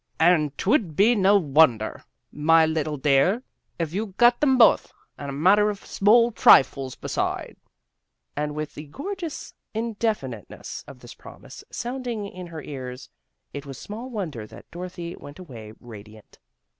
" An' 'twud be no wonder, my little 190 THE GIRLS OF FRIENDLY TERRACE dear, if you got thim both, and a matter o' small trifles beside." And with the gorgeous indefiniteness of this promise sounding in her ears, it was small wonder that Dorothy went away radiant.